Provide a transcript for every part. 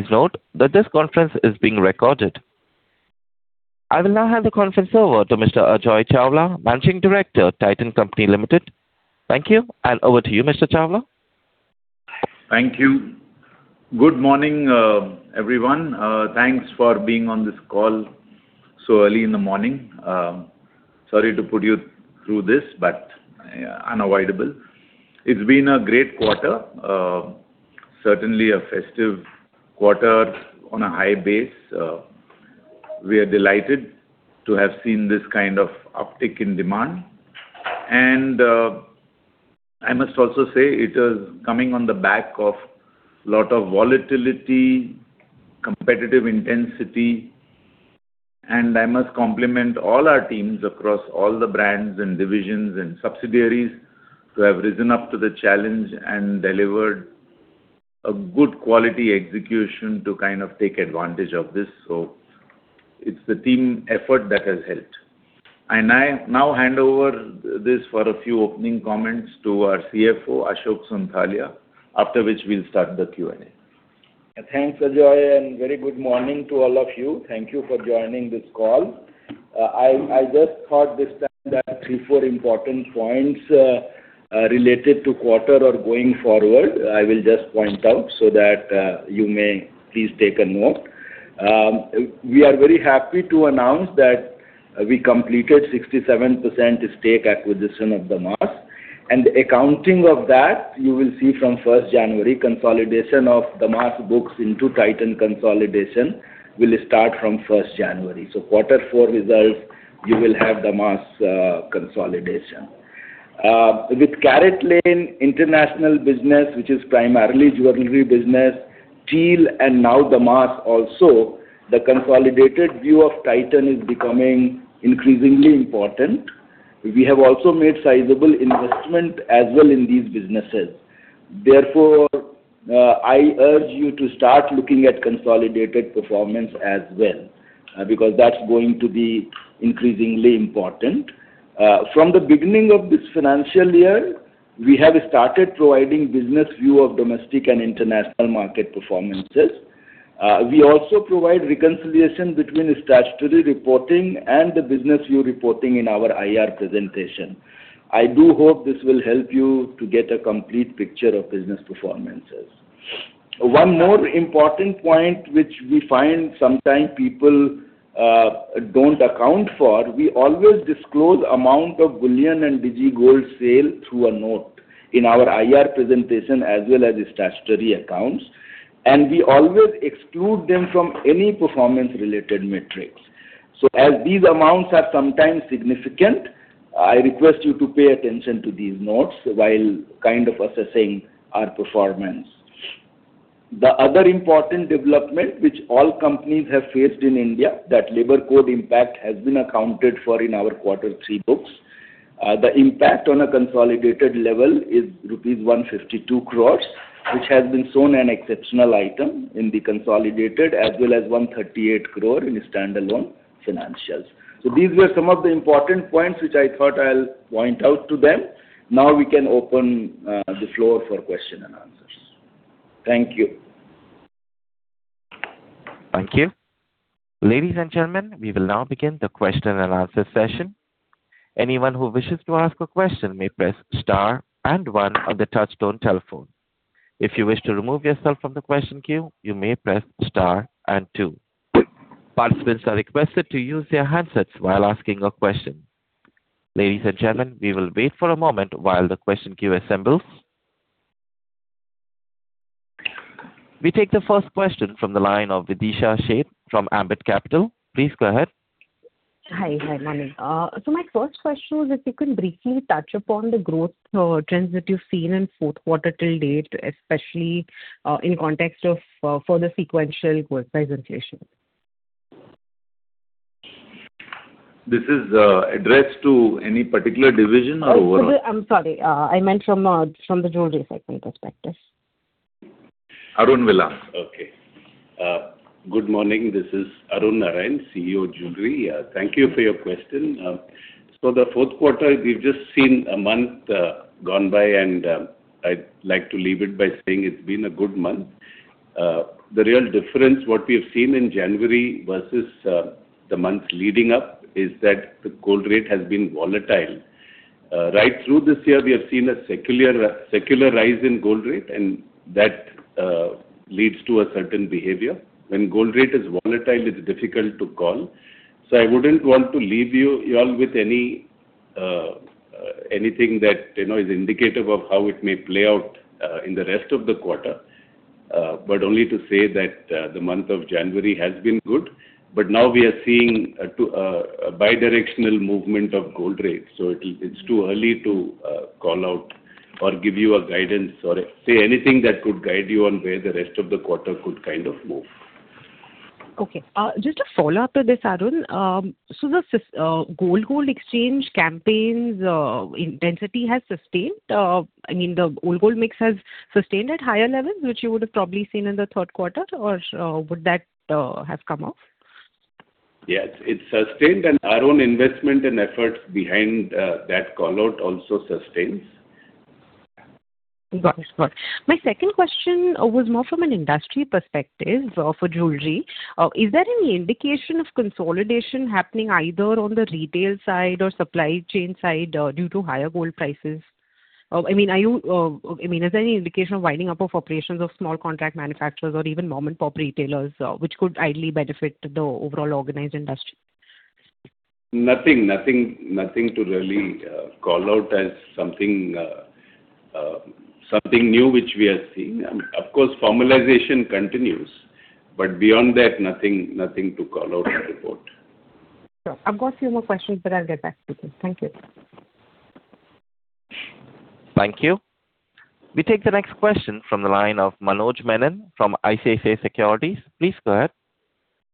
Please note that this conference is being recorded. I will now hand the conference over to Mr. Ajoy Chawla, Managing Director, Titan Company Limited. Thank you, and over to you, Mr. Chawla. Thank you. Good morning, everyone. Thanks for being on this call so early in the morning. Sorry to put you through this, but, yeah, unavoidable. It's been a great quarter. Certainly a festive quarter on a high base. We are delighted to have seen this kind of uptick in demand. And, I must also say it is coming on the back of lot of volatility, competitive intensity, and I must compliment all our teams across all the brands and divisions and subsidiaries, who have risen up to the challenge and delivered a good quality execution to kind of take advantage of this. So it's the team effort that has helped. And I now hand over this for a few opening comments to our CFO, Ashok Sonthalia, after which we'll start the Q&A. Thanks, Ajoy, and very good morning to all of you. Thank you for joining this call. I just thought this time that 3, 4 important points related to quarter or going forward, I will just point out so that you may please take a note. We are very happy to announce that we completed 67% stake acquisition of Damas, and the accounting of that you will see from January 1. Consolidation of Damas books into Titan consolidation will start from January 1. So quarter four results, you will have Damas consolidation. With CaratLane international business, which is primarily jewelry business, TEAL, and now Damas also, the consolidated view of Titan is becoming increasingly important. We have also made sizable investment as well in these businesses. Therefore, I urge you to start looking at consolidated performance as well, because that's going to be increasingly important. From the beginning of this financial year, we have started providing business view of domestic and international market performances. We also provide reconciliation between statutory reporting and the business view reporting in our IR presentation. I do hope this will help you to get a complete picture of business performances. One more important point, which we find sometimes people don't account for, we always disclose amount of bullion and DigiGold sale through a note in our IR presentation, as well as statutory accounts, and we always exclude them from any performance-related metrics. So as these amounts are sometimes significant, I request you to pay attention to these notes while kind of assessing our performance. The other important development which all companies have faced in India, that Labor Code impact has been accounted for in our quarter three books. The impact on a consolidated level is rupees 152 crore, which has been shown an exceptional item in the consolidated, as well as 138 crore in standalone financials. So these were some of the important points which I thought I'll point out to them. Now we can open the floor for question and answers. Thank you. Thank you. Ladies and gentlemen, we will now begin the question and answer session. Anyone who wishes to ask a question may press star and one on the touchtone telephone. If you wish to remove yourself from the question queue, you may press star and two. Participants are requested to use their handsets while asking a question. Ladies and gentlemen, we will wait for a moment while the question queue assembles. We take the first question from the line of Videesha Sheth from Ambit Capital. Please go ahead. Hi. Hi, morning. So my first question is if you can briefly touch upon the growth trends that you've seen in fourth quarter till date, especially in context of further sequential growth presentation? This is addressed to any particular division or overall? I'm sorry. I meant from, from the jewelry segment perspective. Arun Valla. Okay. Good morning, this is Arun Narayan, CEO, Jewelry. Thank you for your question. So the fourth quarter, we've just seen a month gone by, and I'd like to leave it by saying it's been a good month. The real difference, what we have seen in January versus the months leading up, is that the gold rate has been volatile. Right through this year, we have seen a secular rise in gold rate, and that leads to a certain behavior. When gold rate is volatile, it's difficult to call. So I wouldn't want to leave you, you all with anything that you know is indicative of how it may play out in the rest of the quarter, but only to say that the month of January has been good. But now we are seeing a bidirectional movement of gold rates, so it's too early to call out or give you a guidance or say anything that could guide you on where the rest of the quarter could kind of move. Okay, just a follow-up to this, Arun. So the gold old exchange campaigns intensity has sustained? I mean, the old gold mix has sustained at higher levels, which you would have probably seen in the third quarter, or would that have come off?... Yes, it's sustained, and our own investment and efforts behind that call-out also sustains. Got it, got it. My second question was more from an industry perspective for jewelry. Is there any indication of consolidation happening either on the retail side or supply chain side due to higher gold prices? I mean, is there any indication of winding up of operations of small contract manufacturers or even mom-and-pop retailers, which could ideally benefit the overall organized industry? Nothing, nothing, nothing to really call out as something something new, which we are seeing. Of course, formalization continues, but beyond that, nothing, nothing to call out and report. Sure. I've got a few more questions, but I'll get back to you. Thank you. Thank you. We take the next question from the line of Manoj Menon from ICICI Securities. Please go ahead.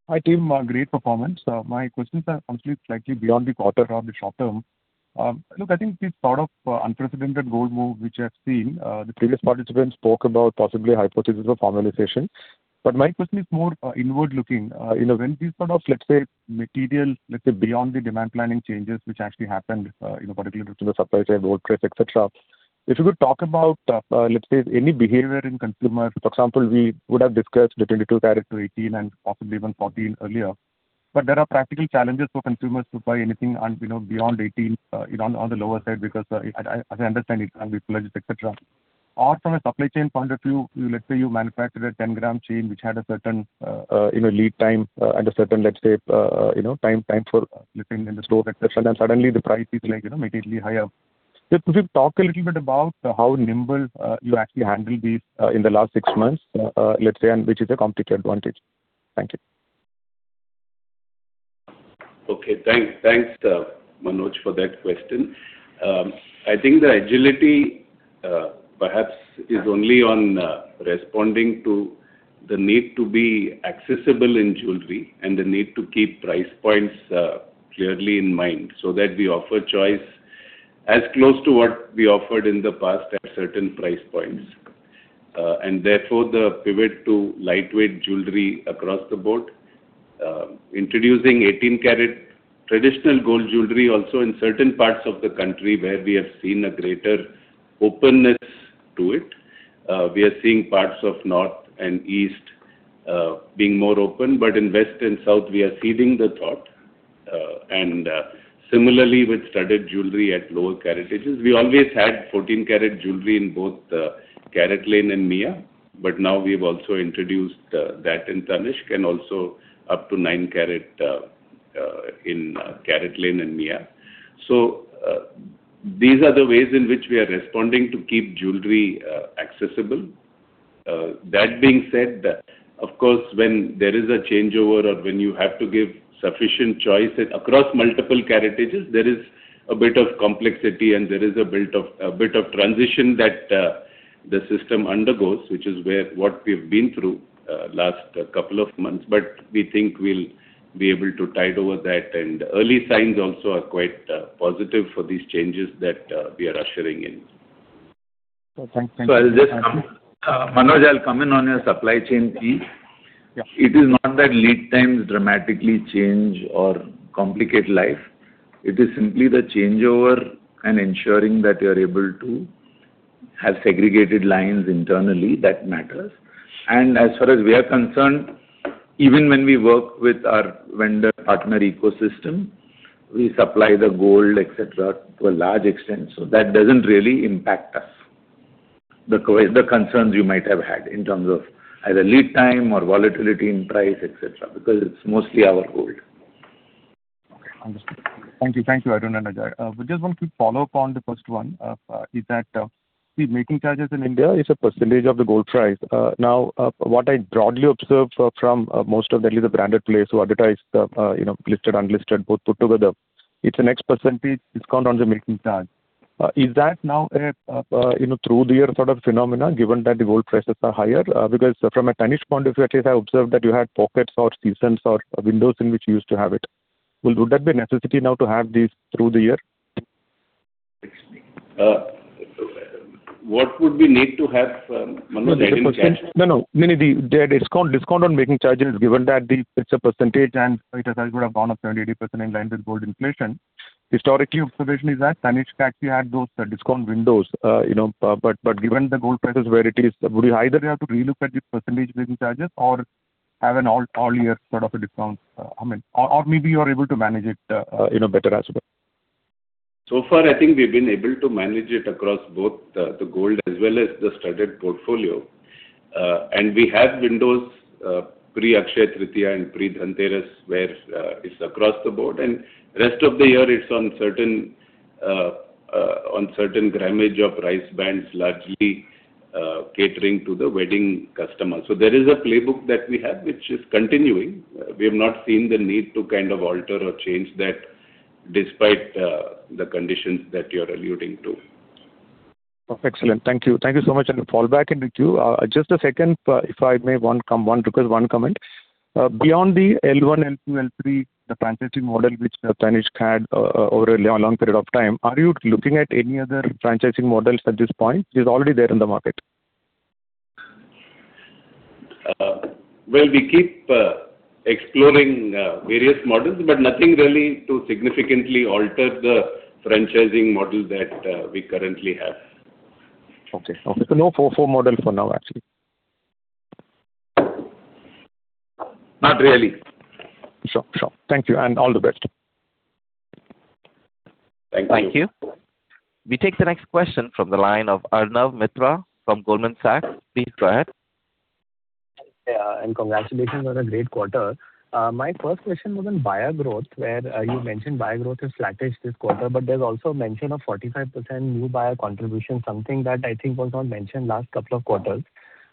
Hi, team. Great performance. My questions are completely slightly beyond the quarter on the short term. Look, I think this sort of unprecedented gold move which you have seen, the previous participants spoke about possibly a hypothesis of formalization. But my question is more inward-looking. You know, when these sort of, let's say, material, let's say, beyond the demand planning changes, which actually happened, in particular to the supply side, gold price, et cetera. If you could talk about, let's say, any behavior in consumer. For example, we would have discussed between 2 carat to 18 and possibly even 14 earlier, but there are practical challenges for consumers to buy anything on, you know, beyond 18, you know, on the lower side, because, as I understand it, can be sluggish, et cetera. Or from a supply chain point of view, you, let's say, you manufactured a 10-gram chain, which had a certain, you know, lead time, and a certain, let's say, you know, time, time for lifting in the store, et cetera, and then suddenly the price is, like, you know, immediately higher. Just could you talk a little bit about how nimble, you actually handled these, let's say, and which is a competitive advantage? Thank you. Okay, thanks, thanks, Manoj, for that question. I think the agility, perhaps is only on responding to the need to be accessible in jewelry and the need to keep price points clearly in mind, so that we offer choice as close to what we offered in the past at certain price points. And therefore, the pivot to lightweight jewelry across the board, introducing 18 carat traditional gold jewelry also in certain parts of the country where we have seen a greater openness to it. We are seeing parts of North and East being more open, but in West and South, we are seeding the thought. And similarly with studded jewelry at lower caratages. We always had 14 carat jewelry in both, CaratLane and Mia, but now we've also introduced, that in Tanishq and also up to 9 carat, in CaratLane and Mia. So, these are the ways in which we are responding to keep jewelry, accessible. That being said, of course, when there is a changeover or when you have to give sufficient choice across multiple caratages, there is a bit of complexity, and there is a bit of transition that, the system undergoes, which is where what we've been through, last couple of months. But we think we'll be able to tide over that, and early signs also are quite, positive for these changes that, we are ushering in. Thank you. So I'll just, Manoj, I'll come in on your supply chain piece. Yeah. It is not that lead times dramatically change or complicate life. It is simply the changeover and ensuring that you are able to have segregated lines internally that matters. And as far as we are concerned, even when we work with our vendor partner ecosystem, we supply the gold, et cetera, to a large extent, so that doesn't really impact us. The concerns you might have had in terms of either lead time or volatility in price, et cetera, because it's mostly our gold. Okay, understood. Thank you. Thank you, Arun and Ajoy. We just want to follow up on the first one. Is that the making charges in India is a percentage of the gold price? Now, what I broadly observed from most of the at least the branded players who advertise, you know, listed, unlisted, both put together, it's the next percentage discount on the making charge. Is that now a through the year sort of phenomena, given that the gold prices are higher? Because from a Tanishq point of view, at least I observed that you had pockets or seasons or windows in which you used to have it. Well, would that be a necessity now to have these through the year? What would we need to have, Manoj, making charge? No, no. Maybe the discount, discount on making charges, given that the... it's a percentage and it has as well gone up 70%-80% in line with gold inflation. Historically, observation is that Tanishq actually had those discount windows, you know, but, but given the gold prices where it is, would you either you have to relook at the percentage making charges or have an all, all year sort of a discount, I mean, or, or maybe you are able to manage it, in a better aspect? So far, I think we've been able to manage it across both the gold as well as the studded portfolio. And we have windows, pre-Akshaya Tritiya and pre-Dhanteras, where, it's across the board, and rest of the year, it's on certain grammage of price bands, largely, catering to the wedding customer. So there is a playbook that we have, which is continuing. We have not seen the need to kind of alter or change that despite, the conditions that you're alluding to. Excellent. Thank you. Thank you so much, and I'll fall back in with you. Just a second, if I may, one request, one comment. Beyond the L1, L2, L3, the franchising model, which Tanishq had, over a long period of time, are you looking at any other franchising models at this point, which is already there in the market?... Well, we keep exploring various models, but nothing really to significantly alter the franchising model that we currently have. Okay. So no 4-4 model for now, actually? Not really. Sure, sure. Thank you, and all the best. Thank you. Thank you. We take the next question from the line of Arnab Mitra from Goldman Sachs. Please go ahead. Yeah, and congratulations on a great quarter. My first question was on buyer growth, where, you mentioned buyer growth has flattish this quarter, but there's also mention of 45% new buyer contribution, something that I think was not mentioned last couple of quarters.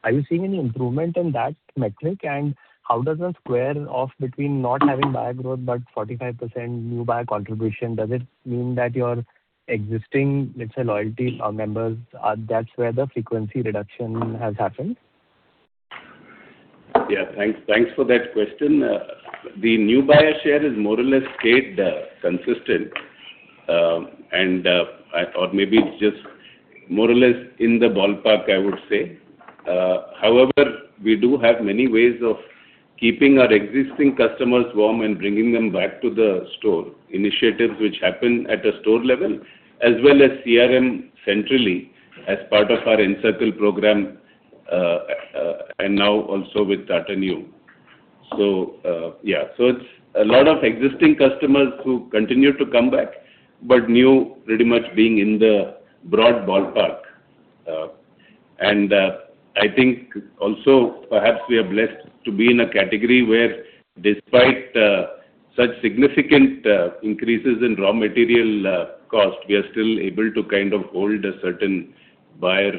Are you seeing any improvement in that metric? And how does it square off between not having buyer growth, but 45% new buyer contribution? Does it mean that your existing, let's say, loyalty or members, are-- that's where the frequency reduction has happened? Yeah, thanks, thanks for that question. The new buyer share has more or less stayed consistent. I thought maybe it's just more or less in the ballpark, I would say. However, we do have many ways of keeping our existing customers warm and bringing them back to the store. Initiatives which happen at a store level, as well as CRM centrally, as part of our Encircle program, and now also with Tata Neu. So, yeah. So it's a lot of existing customers who continue to come back, but new pretty much being in the broad ballpark. And, I think also perhaps we are blessed to be in a category where despite such significant increases in raw material cost, we are still able to kind of hold a certain buyer,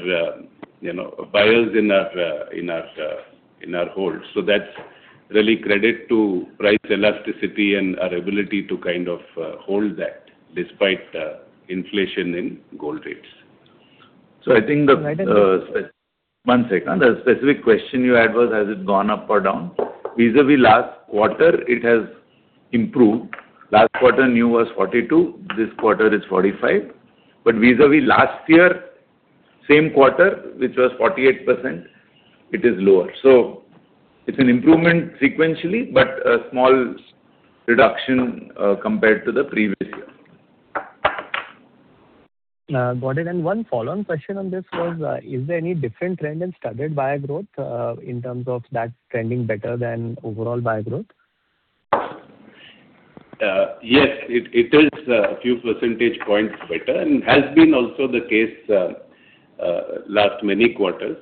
you know, buyers in our hold. So that's really credit to price elasticity and our ability to kind of hold that despite inflation in gold rates. I think the One second. The specific question you had was, has it gone up or down? Vis-à-vis last quarter, it has improved. Last quarter, new was 42, this quarter is 45. But vis-à-vis last year, same quarter, which was 48%, it is lower. So it's an improvement sequentially, but a small reduction compared to the previous year. Got it. One follow-on question on this was, is there any different trend in studded buyer growth, in terms of that trending better than overall buyer growth? Yes, it is a few percentage points better, and has been also the case last many quarters.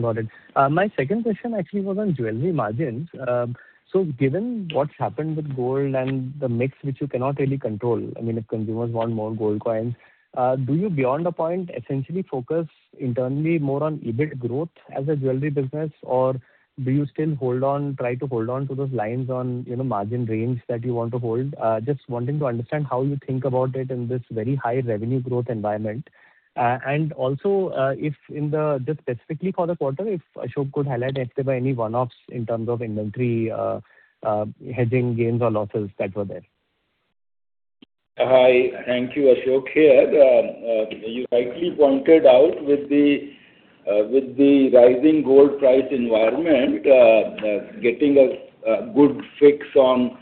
Got it. My second question actually was on jewelry margins. So given what's happened with gold and the mix, which you cannot really control, I mean, if consumers want more gold coins, do you, beyond a point, essentially focus internally more on EBIT growth as a jewelry business? Or do you still hold on, try to hold on to those lines on, you know, margin range that you want to hold? Just wanting to understand how you think about it in this very high revenue growth environment. And also, if in the... Just specifically for the quarter, if Ashok could highlight if there were any one-offs in terms of inventory, hedging gains or losses that were there. Hi. Thank you, Ashok here. You rightly pointed out with the, with the rising gold price environment, getting a, a good fix on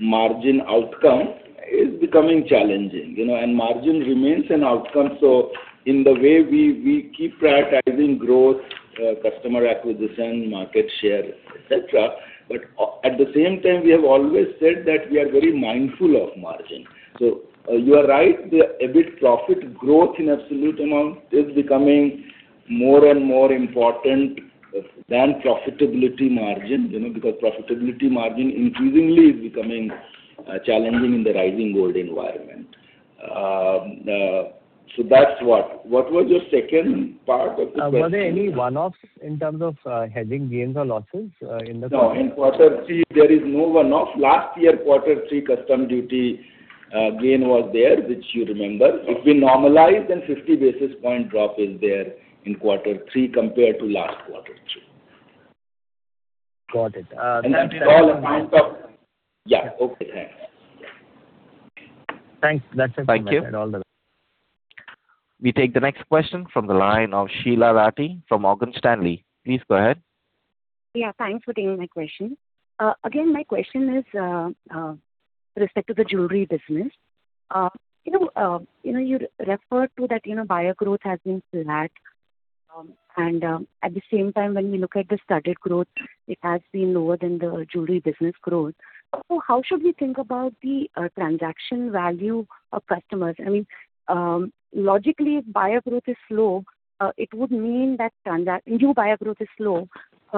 margin outcome is becoming challenging, you know, and margin remains an outcome. So in the way we, we keep prioritizing growth, customer acquisition, market share, et cetera, but at the same time, we have always said that we are very mindful of margin. So you are right, the EBIT profit growth in absolute amount is becoming more and more important than profitability margin, you know, because profitability margin increasingly is becoming challenging in the rising gold environment. So that's what. What was your second part of the question? Were there any one-offs in terms of hedging gains or losses in the- No, in quarter three, there is no one-off. Last year, quarter three, custom duty gain was there, which you remember. If we normalize, then 50 basis point drop is there in quarter three compared to last quarter two. Got it. Yeah. Okay, thanks. Thanks. That's it from my end. Thank you. We take the next question from the line of Sheela Rathi from Morgan Stanley. Please go ahead. Yeah, thanks for taking my question. Again, my question is, with respect to the jewelry business. You know, you know, you referred to that, you know, buyer growth has been flat. And, at the same time, when we look at the studded growth, it has been lower than the jewelry business growth. So how should we think about the transaction value of customers? I mean, logically, if buyer growth is slow, it would mean that new buyer growth is slow.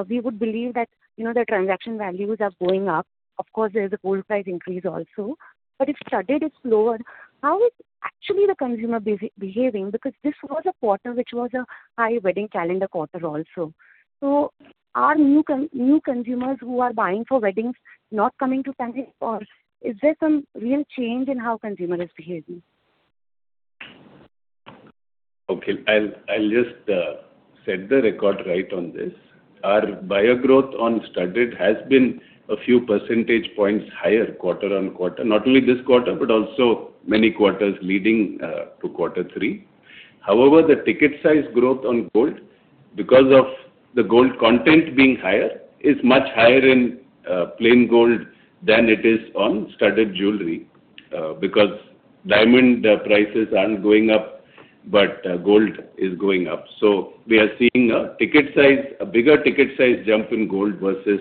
We would believe that, you know, the transaction values are going up. Of course, there's a gold price increase also. But if studded is lower, how is actually the consumer behaving? Because this was a quarter which was a high wedding calendar quarter also. Are new consumers who are buying for weddings not coming to Tanishq or is there some real change in how consumer is behaving? Okay. I'll just set the record right on this. Our buyer growth on studded has been a few percentage points higher quarter-on-quarter, not only this quarter, but also many quarters leading to quarter three. However, the ticket size growth on gold, because of the gold content being higher, is much higher in plain gold than it is on studded jewelry, because diamond prices aren't going up, but gold is going up. So we are seeing a ticket size, a bigger ticket size jump in gold versus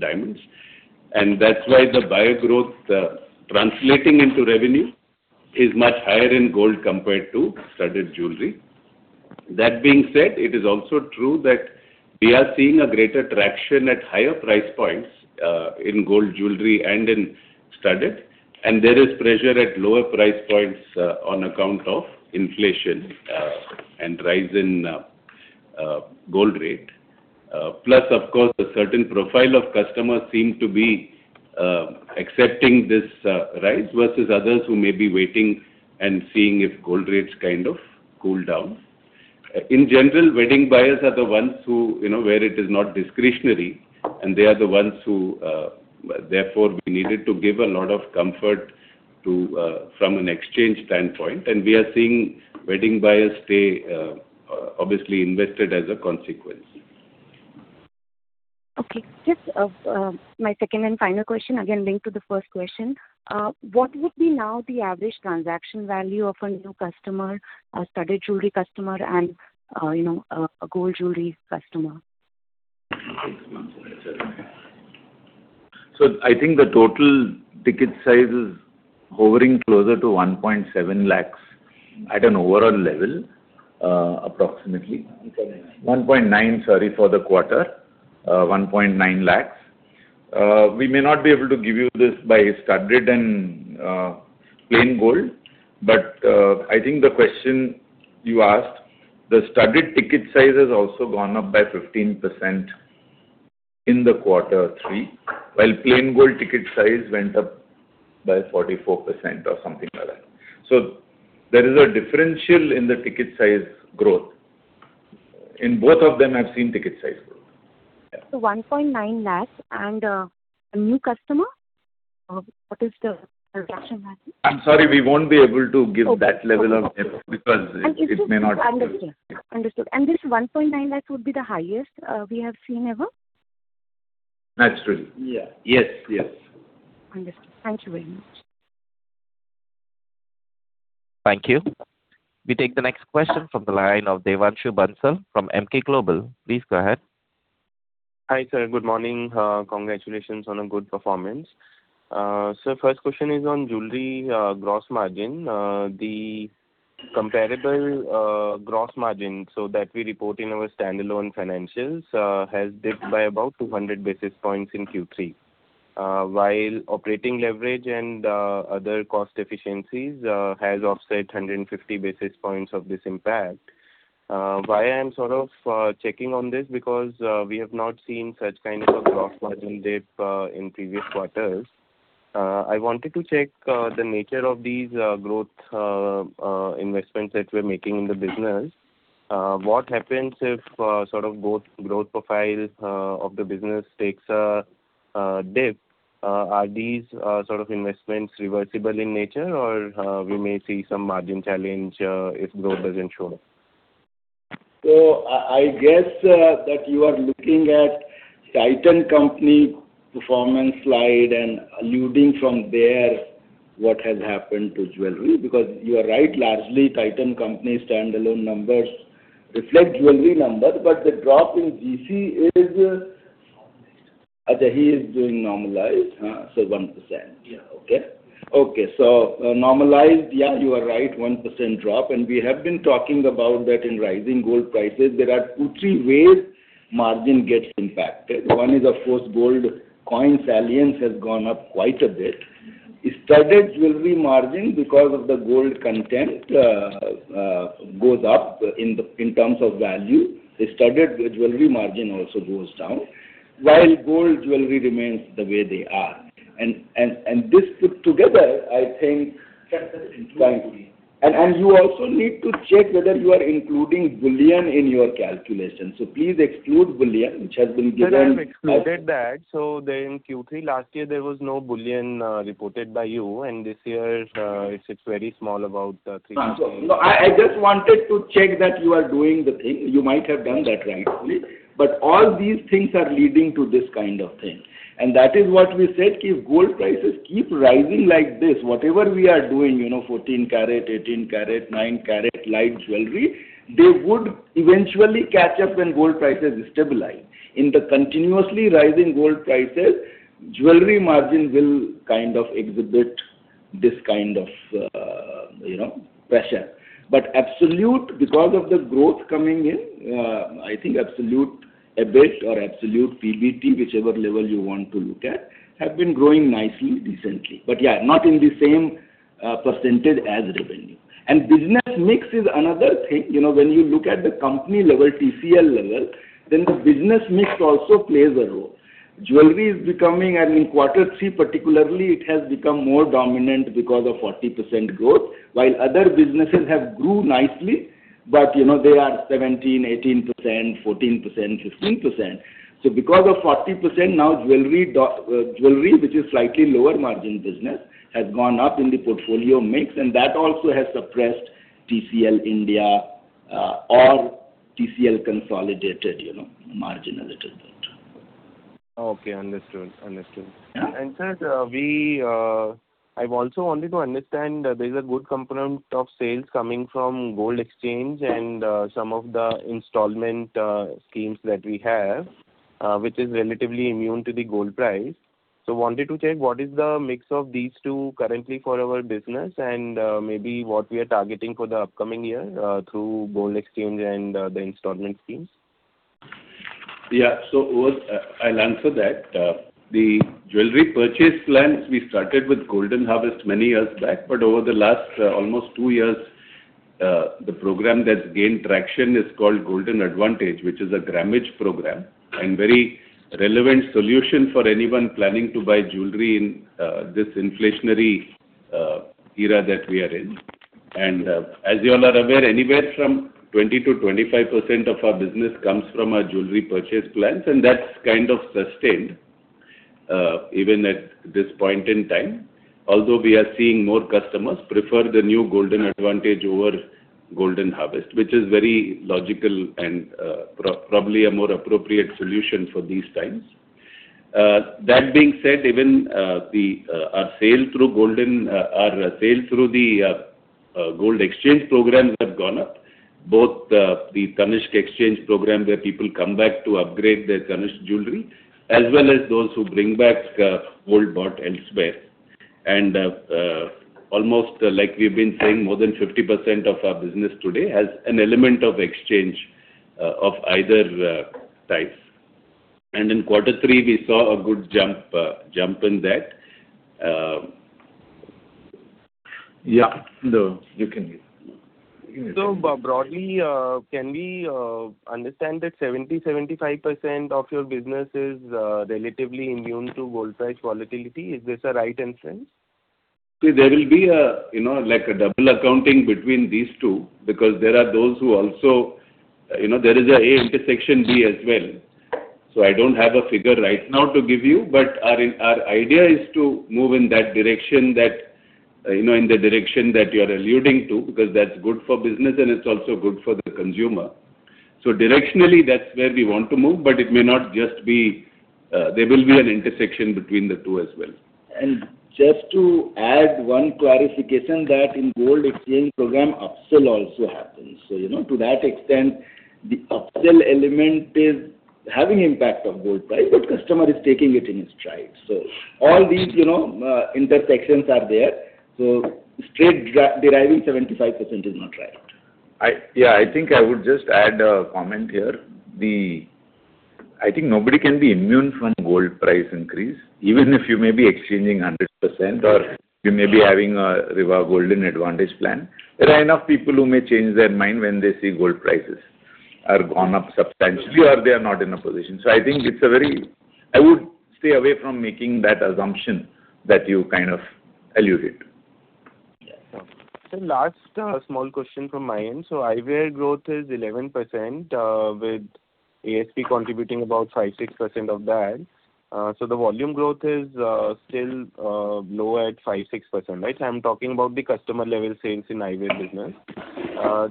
diamonds. And that's why the buyer growth translating into revenue is much higher in gold compared to studded jewelry. That being said, it is also true that we are seeing a greater traction at higher price points, in gold jewelry and in studded, and there is pressure at lower price points, on account of inflation, and rise in, gold rate. Plus, of course, a certain profile of customers seem to be, accepting this, rise, versus others who may be waiting and seeing if gold rates kind of cool down. In general, wedding buyers are the ones who, you know, where it is not discretionary, and they are the ones who, therefore, we needed to give a lot of comfort to, from an exchange standpoint, and we are seeing wedding buyers stay, obviously invested as a consequence. Okay. Just, my second and final question, again, linked to the first question. What would be now the average transaction value of a new customer, a studded jewelry customer, and, you know, a gold jewelry customer? So I think the total ticket size is hovering closer to 1.7 lakh at an overall level, approximately. 1.9. 1.9, sorry, for the quarter, 1.9 lakhs. We may not be able to give you this by studded and plain gold, but I think the question you asked, the studded ticket size has also gone up by 15% in the quarter three, while plain gold ticket size went up by 44% or something like that. So there is a differential in the ticket size growth. In both of them, I've seen ticket size growth. Yeah. 1.9 lakh, and a new customer, what is the transaction value? I'm sorry, we won't be able to give that level of detail because it may not- Understood. Understood. This 1.9 lakh would be the highest we have seen ever? That's true. Yeah. Yes, yes. Understood. Thank you very much. Thank you. We take the next question from the line of Devanshu Bansal from Emkay Global. Please go ahead. Hi, sir. Good morning. Congratulations on a good performance. So first question is on jewelry, gross margin. The comparable gross margin, so that we report in our standalone financials, has dipped by about 200 basis points in Q3. While operating leverage and other cost efficiencies has offset 150 basis points of this impact. Why I'm sort of checking on this, because we have not seen such kind of a gross margin dip in previous quarters. I wanted to check the nature of these growth investments that we're making in the business. What happens if sort of both growth profile of the business takes a dip? Are these sort of investments reversible in nature, or we may see some margin challenge if growth doesn't show up? So I guess that you are looking at Titan Company performance slide and alluding from there, what has happened to jewelry. Because you are right, largely, Titan Company standalone numbers reflect jewelry number, but the drop in GC is... He is doing normalized, so 1%. Yeah. Okay. Okay, so normalized, yeah, you are right, 1% drop, and we have been talking about that in rising gold prices. There are two, three ways margin gets impacted. One is, of course, gold coin salience has gone up quite a bit. Studded jewelry margin, because of the gold content, goes up in the, in terms of value. The studded jewelry margin also goes down, while gold jewelry remains the way they are. And this put together, I think-... And you also need to check whether you are including bullion in your calculation. So please exclude bullion, which has been given- Sir, I've excluded that. So then Q3 last year, there was no bullion reported by you, and this year, it's very small, about three- No, I just wanted to check that you are doing the thing. You might have done that rightly, but all these things are leading to this kind of thing. And that is what we said, if gold prices keep rising like this, whatever we are doing, you know, 14 carat, 18 carat, 9 carat light jewelry, they would eventually catch up when gold prices stabilize. In the continuously rising gold prices, jewelry margin will kind of exhibit this kind of, you know, pressure. But absolute, because of the growth coming in, I think absolute EBIT or absolute PBT, whichever level you want to look at, have been growing nicely, decently. But yeah, not in the same percentage as revenue. And business mix is another thing. You know, when you look at the company level, TCL level, then the business mix also plays a role... Jewelry is becoming, and in quarter three particularly, it has become more dominant because of 40% growth, while other businesses have grew nicely, but you know, they are 17%, 18%, 14%, 15%. So because of 40%, now jewelry, jewelry, which is slightly lower margin business, has gone up in the portfolio mix, and that also has suppressed TCL India, or TCL consolidated, you know, margin a little bit. Okay, understood. Understood. Yeah. Sir, I've also wanted to understand, there is a good component of sales coming from gold exchange and some of the installment schemes that we have, which is relatively immune to the gold price. So wanted to check what is the mix of these two currently for our business and maybe what we are targeting for the upcoming year through gold exchange and the installment schemes? Yeah. So, I'll answer that. The jewelry purchase plans, we started with Golden Harvest many years back, but over the last almost two years, the program that's gained traction is called Golden Advantage, which is a grammage program and very relevant solution for anyone planning to buy jewelry in, this inflationary, era that we are in. And, as you all are aware, anywhere from 20%-25% of our business comes from our jewelry purchase plans, and that's kind of sustained, even at this point in time. Although we are seeing more customers prefer the new Golden Advantage over Golden Harvest, which is very logical and, probably a more appropriate solution for these times. That being said, even our sale through Golden, our sale through the gold exchange programs have gone up, both the Tanishq exchange program, where people come back to upgrade their Tanishq jewelry, as well as those who bring back gold bought elsewhere. And almost like we've been saying, more than 50% of our business today has an element of exchange of either types. And in quarter three, we saw a good jump in that. Yeah. No, you can- So, but broadly, can we understand that 70%-75% of your business is relatively immune to gold price volatility? Is this a right inference? See, there will be a, you know, like a double accounting between these two, because there are those who also... You know, there is an A intersection B as well. So I don't have a figure right now to give you, but our, our idea is to move in that direction that, you know, in the direction that you're alluding to, because that's good for business and it's also good for the consumer. So directionally, that's where we want to move, but it may not just be, there will be an intersection between the two as well. Just to add one clarification, that in Gold Exchange Program, upsell also happens. So, you know, to that extent, the upsell element is having impact of gold price, but customer is taking it in his stride. So all these, you know, intersections are there, so straight deriving 75% is not right. Yeah, I think I would just add a comment here. I think nobody can be immune from gold price increase, even if you may be exchanging 100%, or you may be having a via Golden Advantage plan. There are enough people who may change their mind when they see gold prices are gone up substantially or they are not in a position. So I think it's a very- I would stay away from making that assumption that you kind of alluded. Yeah. So last small question from my end. So eyewear growth is 11% with ASP contributing about 5-6% of that. So the volume growth is still low at 5-6%, right? I'm talking about the customer-level sales in eyewear business.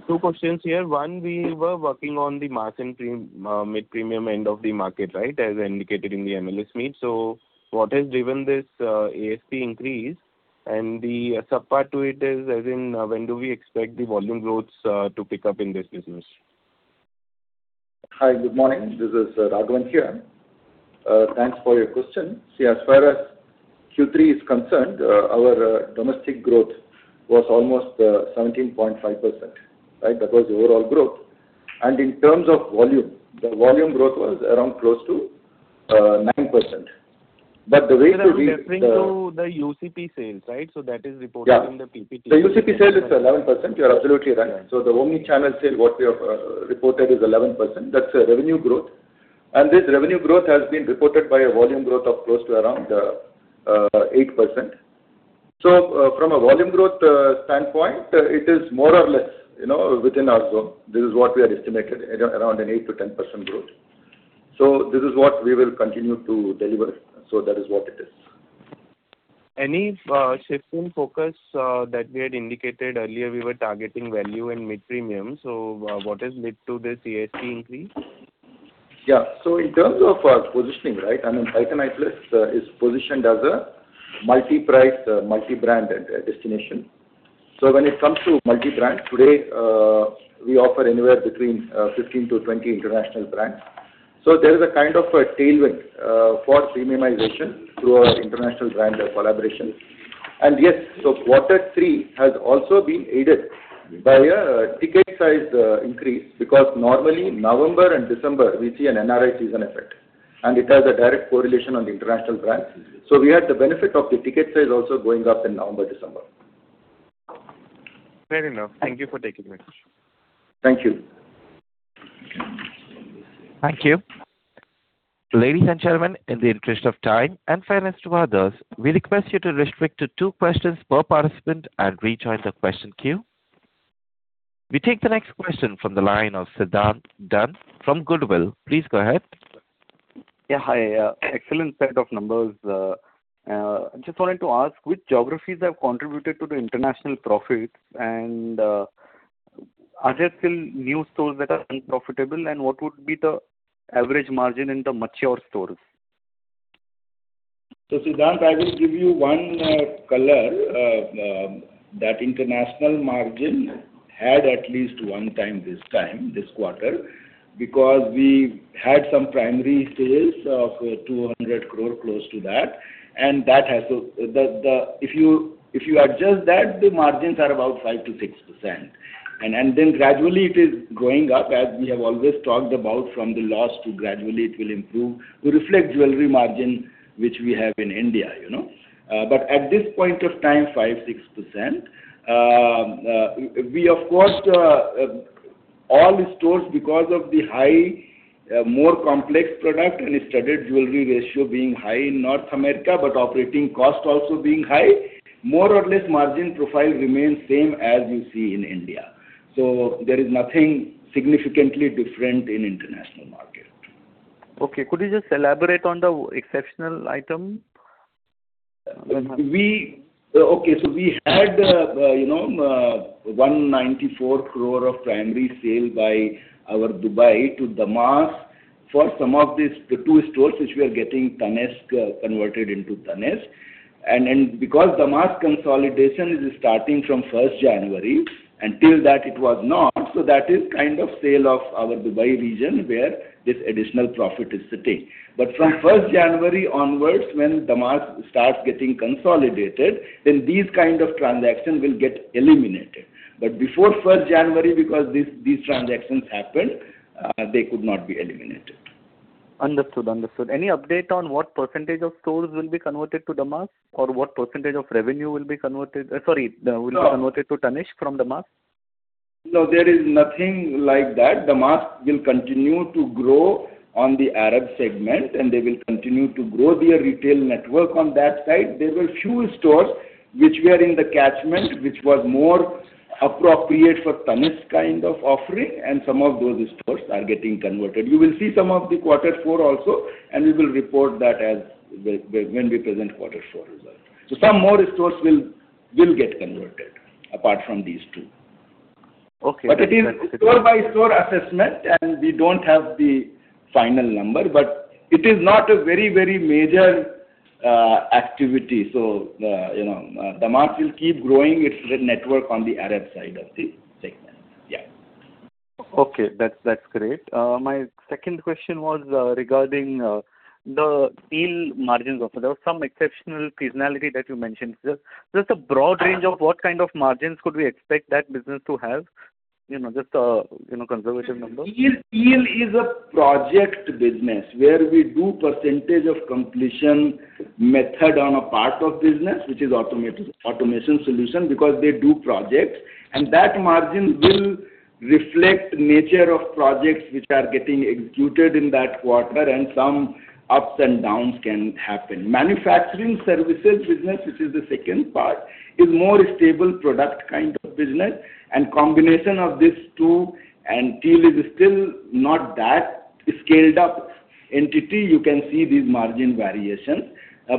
Two questions here. One, we were working on the mass and mid-premium end of the market, right? As indicated in the MLS meet. So what has driven this ASP increase? And the sub-part to it is, as in, when do we expect the volume growths to pick up in this business? Hi, good morning. This is Raghavan here. Thanks for your question. See, as far as Q3 is concerned, our domestic growth was almost 17.5%. Right? That was the overall growth. In terms of volume, the volume growth was around close to 9%. But the way to read the- Sir, I'm referring to the UCP sales, right? So that is reported in the PPT. Yeah. The UCP sales is 11%. You're absolutely right. So the omni-channel sale, what we have reported, is 11%. That's a revenue growth. And this revenue growth has been reported by a volume growth of close to around 8%. So from a volume growth standpoint, it is more or less, you know, within our zone. This is what we had estimated, around an 8%-10% growth. So this is what we will continue to deliver. So that is what it is. Any shift in focus that we had indicated earlier, we were targeting value and mid-premium, so, what has led to this ASP increase? Yeah. So in terms of, positioning, right? I mean, Titan Eyeplus is positioned as a multi-price, multi-brand, destination. So when it comes to multi-brand, today, we offer anywhere between, 15-20 international brands. So there is a kind of a tailwind, for premiumization through our international brand, collaborations. And yes, so quarter three has also been aided by a, ticket size, increase, because normally, November and December, we see an NRI season effect, and it has a direct correlation on the international brands. So we had the benefit of the ticket size also going up in November, December.... Fair enough. Thank you for taking my question. Thank you. Thank you. Ladies and gentlemen, in the interest of time and fairness to others, we request you to restrict to two questions per participant and rejoin the question queue. We take the next question from the line of Siddhant Dand from Goodwill. Please go ahead. Yeah. Hi. Excellent set of numbers. Just wanted to ask, which geographies have contributed to the international profits? And, are there still new stores that are unprofitable, and what would be the average margin in the mature stores? So Siddhant, I will give you one color that international margin had at least one time this time, this quarter, because we had some primary sales of 200 crore, close to that, and that has to the. If you adjust that, the margins are about 5%-6%. And then gradually it is going up, as we have always talked about, from the loss to gradually it will improve, to reflect jewelry margin, which we have in India, you know. We of course all the stores, because of the high more complex product and studded jewelry ratio being high in North America, but operating cost also being high, more or less margin profile remains same as you see in India. There is nothing significantly different in international market. Okay. Could you just elaborate on the exceptional item? Okay, so we had, you know, 194 crore of primary sale by our Dubai to Damas for some of these, the two stores which we are getting Tanishq, converted into Tanishq. And because Damas consolidation is starting from first January, and till that it was not, so that is kind of sale of our Dubai region, where this additional profit is sitting. But from first January onwards, when Damas starts getting consolidated, then these kind of transactions will get eliminated. But before first January, because these transactions happened, they could not be eliminated. Understood. Understood. Any update on what percentage of stores will be converted to Damas, or what percentage of revenue will be converted to Tanishq from Damas? No, there is nothing like that. Damas will continue to grow on the Arab segment, and they will continue to grow their retail network on that side. There were few stores which were in the catchment, which was more appropriate for Tanishq kind of offering, and some of those stores are getting converted. You will see some of the quarter four also, and we will report that as the when we present quarter four results. So some more stores will get converted apart from these two. Okay. It is store-by-store assessment, and we don't have the final number, but it is not a very, very major activity. You know, Damas will keep growing its retail network on the Arab side of the segment. Yeah. Okay, that's great. My second question was regarding the deal margins. There was some exceptional seasonality that you mentioned. Just a broad range of what kind of margins could we expect that business to have? You know, just, you know, conservative numbers. TEAL, TEAL is a project business where we do percentage of completion method on a part of business, which is automation solutions, because they do projects, and that margin will reflect nature of projects which are getting executed in that quarter, and some ups and downs can happen. Manufacturing services business, which is the second part, is more stable product kind of business, and combination of these two, and TEAL is still not that scaled up entity. You can see these margin variations.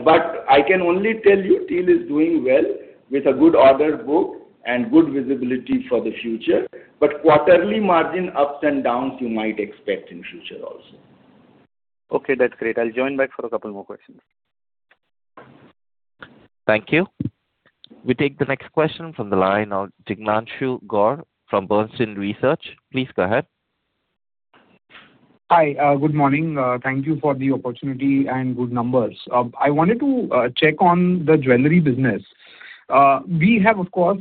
But I can only tell you, TEAL is doing well with a good order book and good visibility for the future. But quarterly margin ups and downs, you might expect in future also. Okay, that's great. I'll join back for a couple more questions. Thank you. We take the next question from the line of Jignanshu Gor from Bernstein Research. Please go ahead. Hi. Good morning. Thank you for the opportunity and good numbers. I wanted to check on the jewelry business. We have, of course,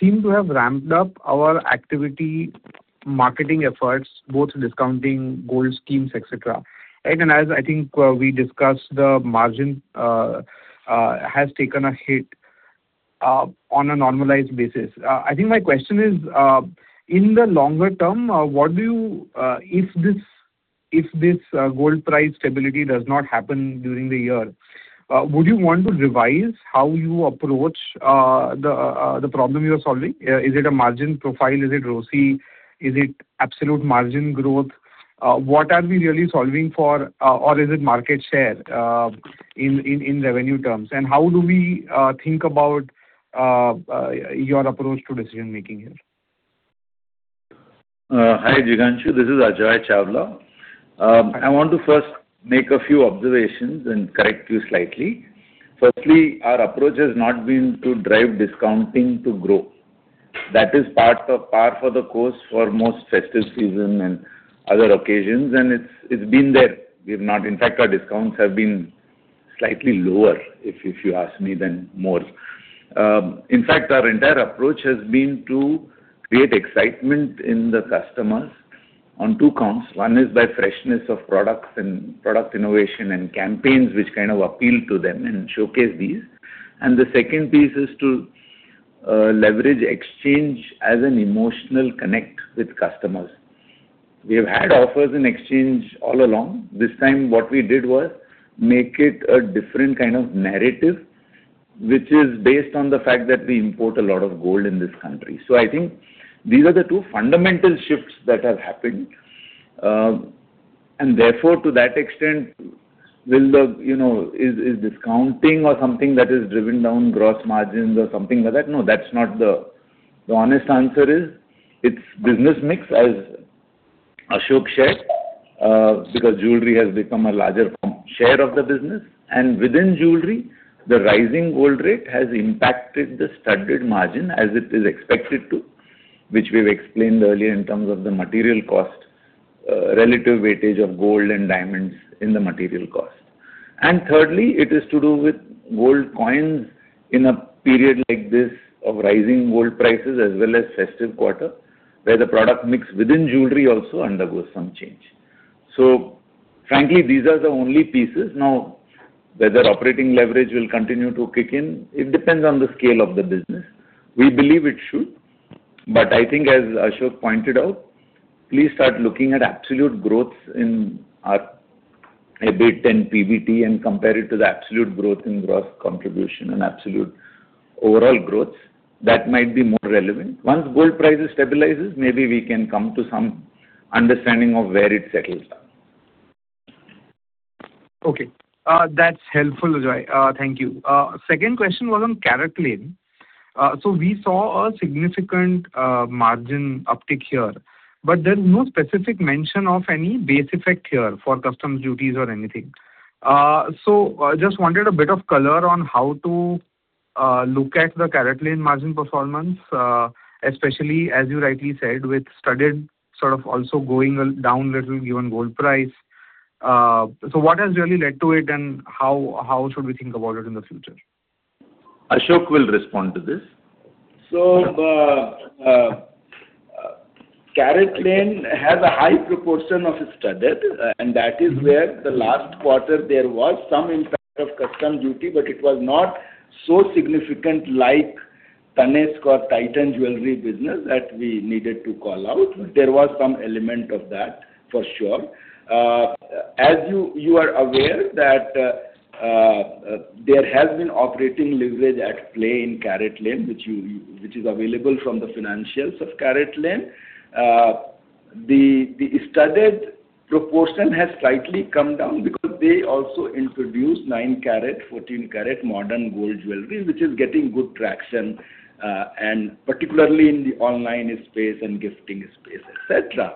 seem to have ramped up our activity, marketing efforts, both discounting gold schemes, et cetera. And as I think we discussed, the margin has taken a hit on a normalized basis. I think my question is, in the longer term, what do you... If this gold price stability does not happen during the year, would you want to revise how you approach the problem you are solving? Is it a margin profile? Is it ROSI? Is it absolute margin growth? What are we really solving for? Or is it market share in revenue terms? How do we think about your approach to decision-making here? Hi, Jignanshu, this is Ajoy Chawla. I want to first make a few observations and correct you slightly. Firstly, our approach has not been to drive discounting to grow. That is part of par for the course for most festive season and other occasions, and it's, it's been there. We've not... In fact, our discounts have been slightly lower, if, if you ask me, than more. In fact, our entire approach has been to create excitement in the customers.... on two counts. One is by freshness of products and product innovation and campaigns, which kind of appeal to them and showcase these. And the second piece is to leverage exchange as an emotional connect with customers. We have had offers in exchange all along. This time what we did was make it a different kind of narrative, which is based on the fact that we import a lot of gold in this country. So I think these are the two fundamental shifts that have happened. And therefore, to that extent, will the, you know, is discounting or something that has driven down gross margins or something like that? No, that's not the honest answer is, it's business mix, as Ashok shared, because jewelry has become a larger share of the business. Within jewelry, the rising gold rate has impacted the studded margin as it is expected to, which we've explained earlier in terms of the material cost, relative weightage of gold and diamonds in the material cost. And thirdly, it is to do with gold coins in a period like this, of rising gold prices, as well as festive quarter, where the product mix within jewelry also undergoes some change. So frankly, these are the only pieces. Now, whether operating leverage will continue to kick in, it depends on the scale of the business. We believe it should, but I think as Ashok pointed out, please start looking at absolute growth in our EBIT and PBT and compare it to the absolute growth in gross contribution and absolute overall growth. That might be more relevant. Once gold prices stabilizes, maybe we can come to some understanding of where it settles down. Okay, that's helpful, Ajoy. Thank you. Second question was on CaratLane. So we saw a significant margin uptick here, but there's no specific mention of any base effect here for customs duties, or anything. So, just wanted a bit of color on how to look at the CaratLane margin performance, especially as you rightly said, with studded sort of also going a little down little given gold price. So what has really led to it, and how, how should we think about it in the future? Ashok will respond to this. So CaratLane has a high proportion of studded, and that is where the last quarter there was some impact of customs duty, but it was not so significant like Tanishq or Titan jewelry business that we needed to call out. But there was some element of that, for sure. As you are aware that there has been operating leverage at play in CaratLane, which is available from the financials of CaratLane. The studded proportion has slightly come down, because they also introduced 9 carat, 14 carat modern gold jewelry, which is getting good traction, and particularly in the online space and gifting space, et cetera.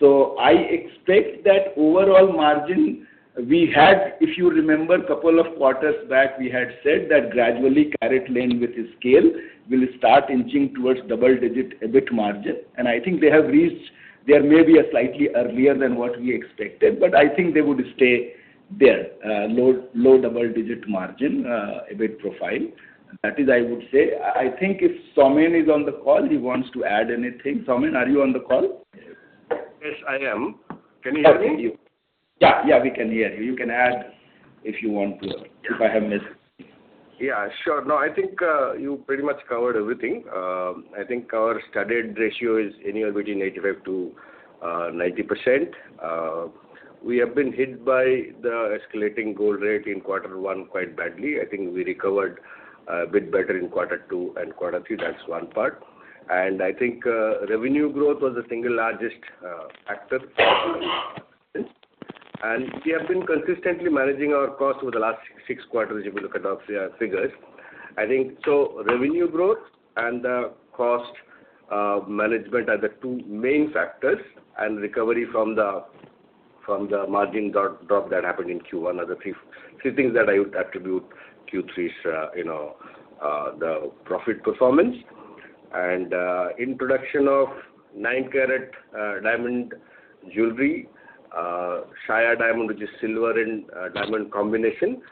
So I expect that overall margin we had. If you remember, a couple of quarters back, we had said that gradually, CaratLane, with its scale, will start inching towards double-digit EBIT margin. I think they have reached there, maybe slightly earlier than what we expected, but I think they would stay there, low, low double-digit margin, EBIT profile. That is, I would say. I think if Somin is on the call, he wants to add anything. Somin, are you on the call? Yes, I am. Can you hear me? Yeah, yeah, we can hear you. You can add if you want to, if I have missed. Yeah, sure. No, I think you pretty much covered everything. I think our studded ratio is anywhere between 85%-90%. We have been hit by the escalating gold rate in quarter one quite badly. I think we recovered a bit better in quarter two and quarter three. That's one part. And I think revenue growth was the single largest factor. And we have been consistently managing our costs over the last 6 quarters, if you look at our figures. I think, so revenue growth and the cost management are the two main factors, and recovery from the margin drop that happened in Q1 are the three things that I would attribute Q3's you know the profit performance. Introduction of 9 carat diamond jewelry, Shaya diamond, which is silver and diamond combination.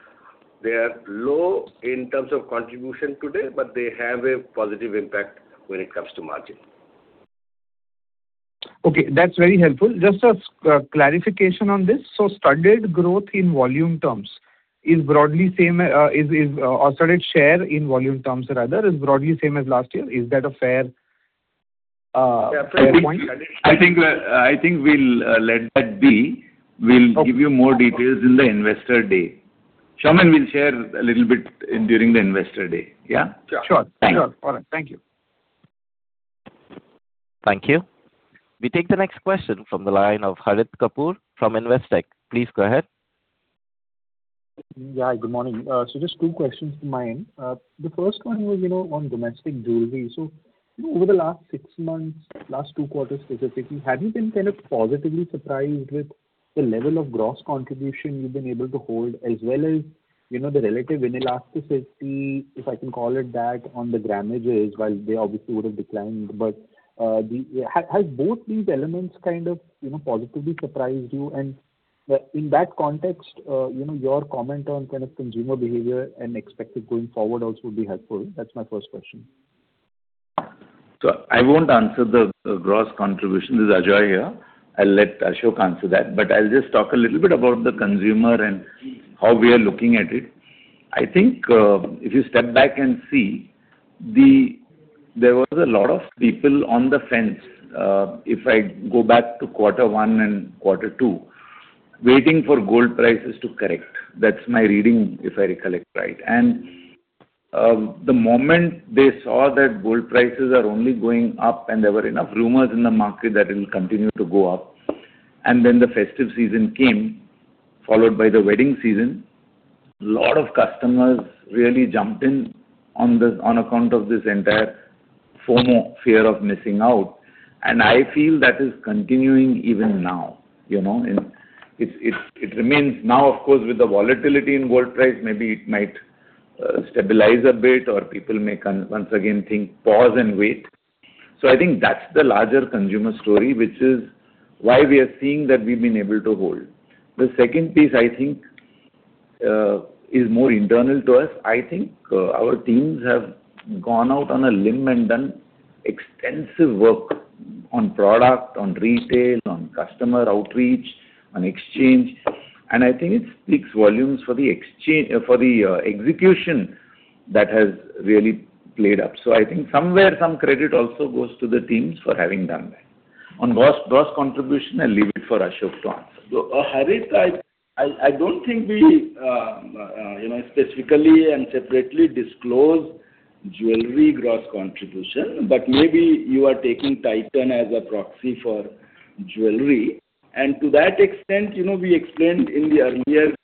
They are low in terms of contribution today, but they have a positive impact when it comes to margin. Okay, that's very helpful. Just a clarification on this: So studded growth in volume terms is broadly same, or studded share in volume terms rather, is broadly the same as last year. Is that a fair point? I think, I think we'll let that be. Okay. We'll give you more details in the Investor Day. Somin will share a little bit in, during the Investor Day. Yeah? Yeah. Sure. Thanks. Sure. All right. Thank you. Thank you. We take the next question from the line of Harit Kapoor from Investec. Please go ahead. Yeah, good morning. So just two questions from my end. The first one was, you know, on domestic jewelry. So, you know, over the last six months, last two quarters specifically, have you been kind of positively surprised with the level of gross contribution you've been able to hold, as well as, you know, the relative inelasticity, if I can call it that, on the grammages, while they obviously would have declined? But has both these elements kind of, you know, positively surprised you? And, in that context, you know, your comment on kind of consumer behavior and expected going forward also would be helpful. That's my first question.... So I won't answer the gross contribution, is Ajoy here. I'll let Ashok answer that, but I'll just talk a little bit about the consumer and how we are looking at it. I think, if you step back and see, there was a lot of people on the fence, if I go back to quarter one and quarter two, waiting for gold prices to correct. That's my reading, if I recollect right. And, the moment they saw that gold prices are only going up, and there were enough rumors in the market that it will continue to go up, and then the festive season came, followed by the wedding season, a lot of customers really jumped in on this, on account of this entire FOMO, fear of missing out. And I feel that is continuing even now, you know, and it remains. Now, of course, with the volatility in gold price, maybe it might stabilize a bit, or people may once again think, pause and wait. So I think that's the larger consumer story, which is why we are seeing that we've been able to hold. The second piece, I think, is more internal to us. I think our teams have gone out on a limb and done extensive work on product, on retail, on customer outreach, on exchange, and I think it speaks volumes for the exchange... for the execution that has really played up. So I think somewhere, some credit also goes to the teams for having done that. On gross, gross contribution, I leave it for Ashok to answer. So, Harit, I don't think we, you know, specifically and separately disclose jewelry gross contribution, but maybe you are taking Titan as a proxy for jewelry. And to that extent, you know, we explained in the earlier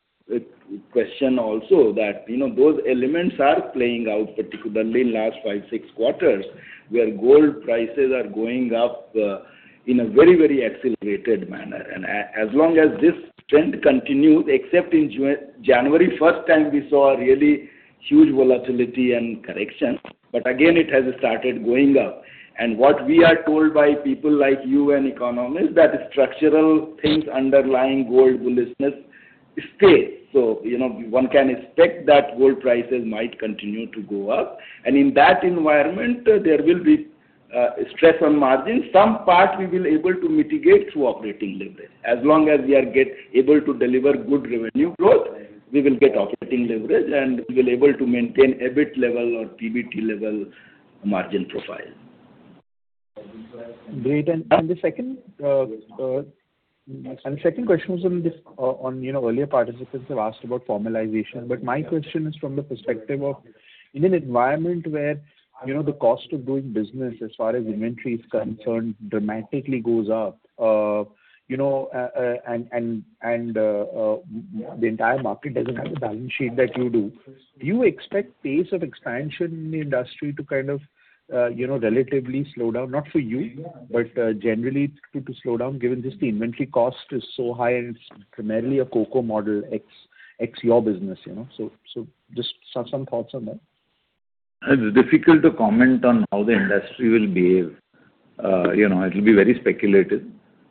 question also that, you know, those elements are playing out, particularly in last five, six quarters, where gold prices are going up in a very, very accelerated manner. And as long as this trend continues, except in January, first time we saw a really huge volatility and correction, but again, it has started going up. And what we are told by people like you and economists, that structural things underlying gold bullishness stay. So, you know, one can expect that gold prices might continue to go up, and in that environment, there will be stress on margins. Some parts we will be able to mitigate through operating leverage. As long as we are able to deliver good revenue growth, we will get operating leverage, and we will be able to maintain EBIT level or PBT level margin profile. Great. And the second question was on this, you know, earlier participants have asked about formalization, but my question is from the perspective of, in an environment where, you know, the cost of doing business as far as inventory is concerned, dramatically goes up, you know, and the entire market doesn't have the balance sheet that you do. Do you expect pace of expansion in the industry to kind of, you know, relatively slow down? Not for you, but generally to slow down, given this, the inventory cost is so high and it's primarily a COCO model, ex your business, you know. So just some thoughts on that. It's difficult to comment on how the industry will behave. You know, it'll be very speculative.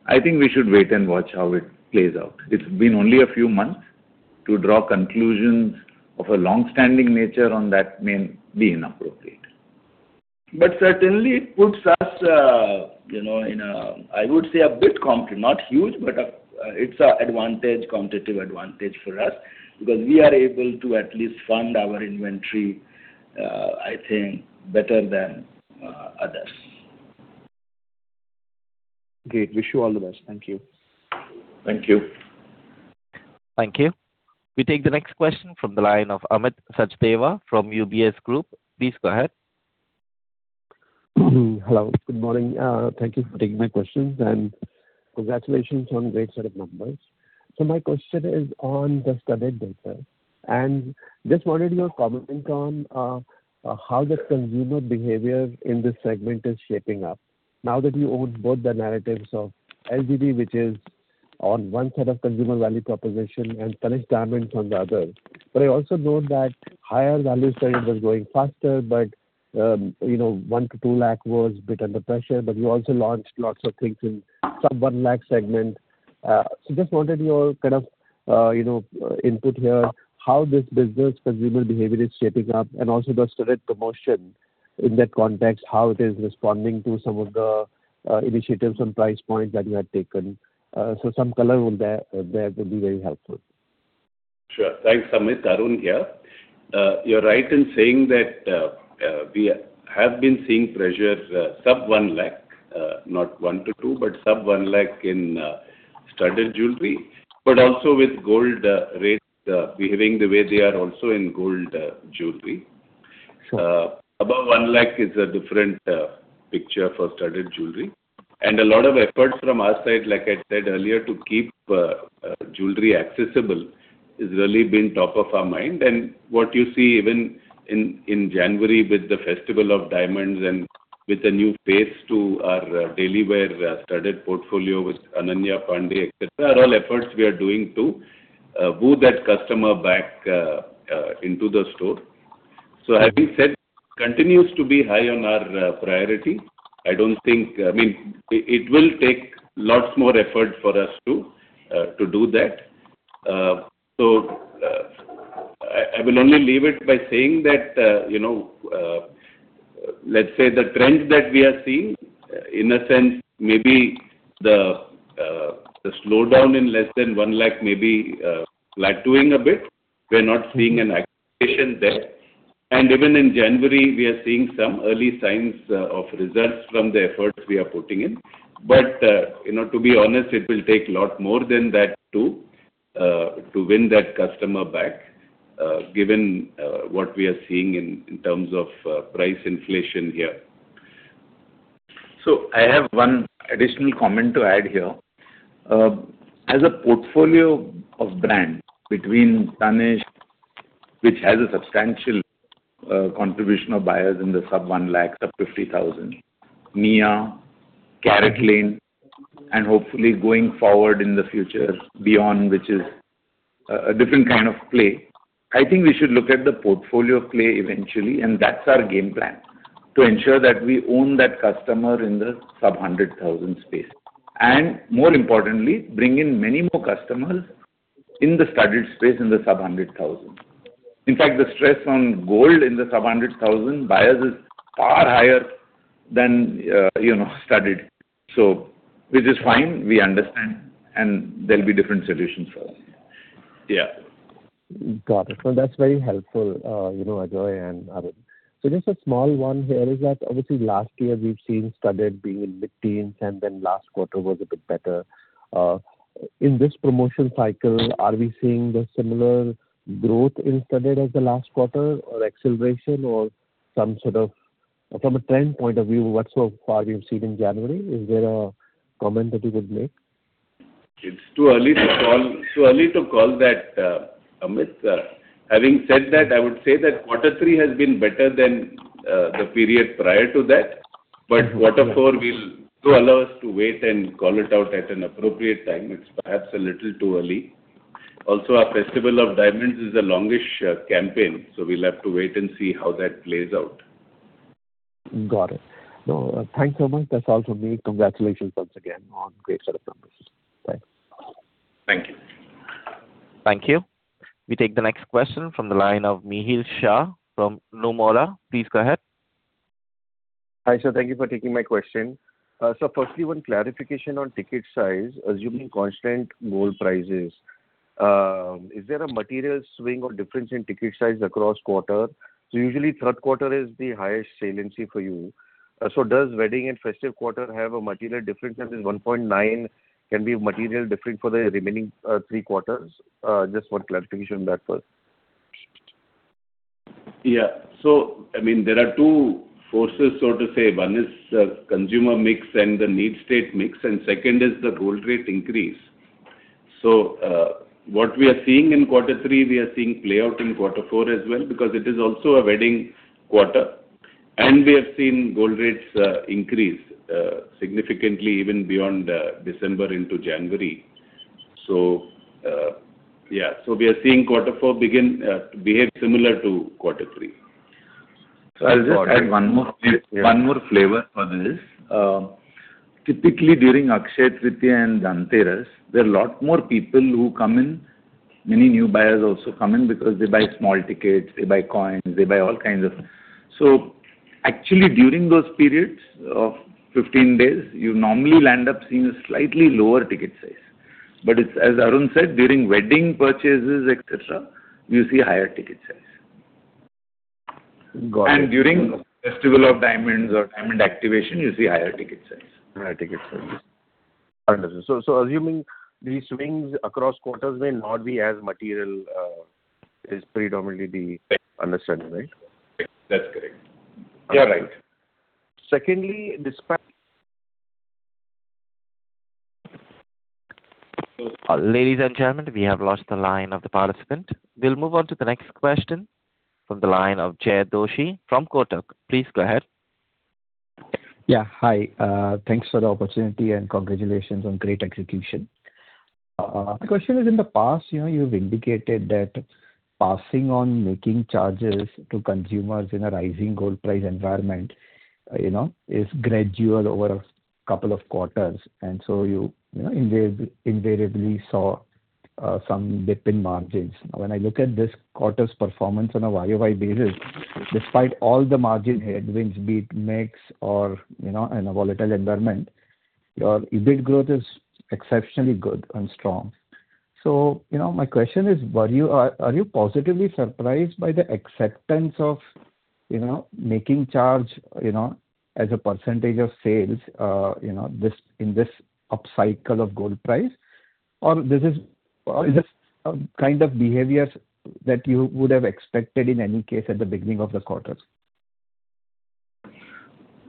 I think we should wait and watch how it plays out. It's been only a few months. To draw conclusions of a long-standing nature on that may be inappropriate. But certainly it puts us, you know, in a, I would say a bit comfort, not huge, but a, it's a advantage, competitive advantage for us, because we are able to at least fund our inventory, I think, better than others. Great. Wish you all the best. Thank you. Thank you. Thank you. We take the next question from the line of Amit Sachdeva from UBS Group. Please go ahead. Hello, good morning. Thank you for taking my questions, and congratulations on great set of numbers. My question is on the studded data. I just wanted your comment on how the consumer behavior in this segment is shaping up, now that you own both the narratives of LBB, which is on one side of consumer value proposition, and Panish Diamonds on the other. But I also note that higher value segment was growing faster, but you know, 1-2 lakh was a bit under pressure, but you also launched lots of things in sub-INR 1 lakh segment. So just wanted your kind of, you know, input here, how this business consumer behavior is shaping up, and also the studded promotion in that context, how it is responding to some of the initiatives and price points that you have taken. So, some color on that, that would be very helpful. Sure. Thanks, Amit. Arun here. You're right in saying that, we have been seeing pressure, sub-INR 1 lakh, not 1-2, but sub-INR 1 lakh in studded jewelry, but also with gold rates behaving the way they are also in gold jewelry. Sure. Above 1 lakh is a different picture for studded jewelry. And a lot of efforts from our side, like I said earlier, to keep jewelry accessible, has really been top of our mind. And what you see even in January with the Festival of Diamonds and with a new face to our daily wear studded portfolio with Ananya Panday, et cetera, are all efforts we are doing to woo that customer back into the store. So having said, continues to be high on our priority. I don't think... I mean, it will take lots more effort for us to do that. So-... I will only leave it by saying that, you know, let's say the trends that we are seeing, in a sense, maybe the slowdown in less than 1 lakh may be plateauing a bit. We're not seeing an activation there. And even in January, we are seeing some early signs of results from the efforts we are putting in. But, you know, to be honest, it will take a lot more than that to win that customer back, given what we are seeing in terms of price inflation here. So I have one additional comment to add here. As a portfolio of brand between Tanishq, which has a substantial contribution of buyers in the sub 1 lakh, sub INR 50,000, Mia, CaratLane, and hopefully going forward in the future, Beyond, which is a different kind of play. I think we should look at the portfolio play eventually, and that's our game plan, to ensure that we own that customer in the sub 100,000 space, and more importantly, bring in many more customers in the studded space in the sub 100,000. In fact, the stress on gold in the sub 100,000 buyers is far higher than you know, studded. So which is fine, we understand, and there'll be different solutions for them. Yeah. Got it. Well, that's very helpful, you know, Ajoy and Arun. So just a small one here is that obviously last year we've seen studded being in mid-teens, and then last quarter was a bit better. In this promotion cycle, are we seeing the similar growth in studded as the last quarter, or acceleration or some sort of from a trend point of view, what so far you've seen in January? Is there a comment that you would make? It's too early to call, too early to call that, Amit. Having said that, I would say that quarter three has been better than the period prior to that. But quarter four will still allow us to wait and call it out at an appropriate time. It's perhaps a little too early. Also, our Festival of Diamonds is the longest campaign, so we'll have to wait and see how that plays out. Got it. No, thanks so much. That's all from me. Congratulations once again on great set of numbers. Thanks. Thank you. Thank you. We take the next question from the line of Mihir Shah from Nomura. Please go ahead. Hi, sir. Thank you for taking my question. So firstly, one clarification on ticket size, assuming constant gold prices, is there a material swing or difference in ticket size across quarter? So usually third quarter is the highest saliency for you. So does wedding and festive quarter have a material difference, as in 1.9 can be material different for the remaining, three quarters? Just for clarification on that first. Yeah. So I mean, there are two forces, so to say. One is the consumer mix and the need state mix, and second is the gold rate increase. So, what we are seeing in quarter three, we are seeing play out in quarter four as well, because it is also a wedding quarter, and we have seen gold rates increase significantly even beyond December into January. So, yeah, so we are seeing quarter four begin to behave similar to quarter three. So I'll just add one more, one more flavor on this. Typically, during Akshaya Tritiya and Dhanteras, there are a lot more people who come in. Many new buyers also come in because they buy small tickets, they buy coins, they buy all kinds of... So actually, during those periods of 15 days, you normally land up seeing a slightly lower ticket size. But it's, as Arun said, during wedding purchases, et cetera, you see higher ticket size. Got it. During Festival of Diamonds or diamond activation, you see higher ticket sales. Higher ticket sales. Understood. So, so assuming these swings across quarters may not be as material, is predominantly the understanding, right? That's correct. You're right. Secondly, despite- Ladies and gentlemen, we have lost the line of the participant. We'll move on to the next question from the line of Jay Doshi from Kotak. Please go ahead. Yeah, hi. Thanks for the opportunity, and congratulations on great execution. The question is, in the past, you know, you've indicated that passing on making charges to consumers in a rising gold price environment, you know, is gradual over a couple of quarters, and so you, you know, invariably saw some dip in margins. When I look at this quarter's performance on a YOY basis, despite all the margin headwinds, be it mix or, you know, in a volatile environment, your EBIT growth is exceptionally good and strong. So, you know, my question is: were you, are you positively surprised by the acceptance of, you know, making charge, you know, as a percentage of sales, you know, this, in this upcycle of gold price? Is this a kind of behaviors that you would have expected in any case at the beginning of the quarter?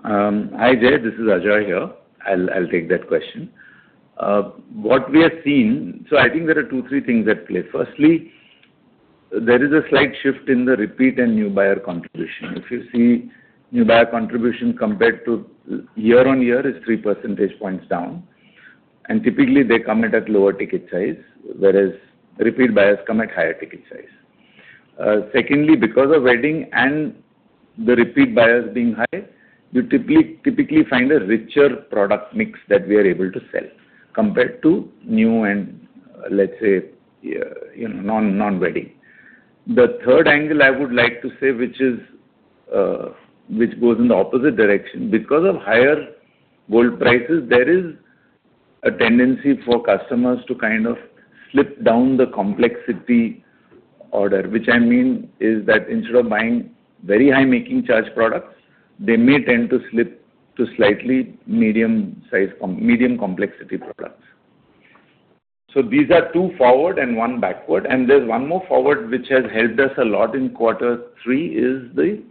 Hi, Jay, this is Ajoy here. I'll take that question. What we have seen... So I think there are two, three things at play. Firstly, there is a slight shift in the repeat and new buyer contribution. If you see, new buyer contribution compared to last year on year is 3 percentage points down, and typically they come in at lower ticket size, whereas repeat buyers come at higher ticket size. Secondly, because of weddings and the repeat buyers being high, you typically find a richer product mix that we are able to sell, compared to new and, let's say, you know, non-wedding. The third angle I would like to say, which is, which goes in the opposite direction. Because of higher gold prices, there is a tendency for customers to kind of slip down the complexity order. Which I mean is that instead of buying very high making charge products, they may tend to slip to slightly medium-size, medium complexity products. So these are two forward and one backward, and there's one more forward, which has helped us a lot in quarter three, is the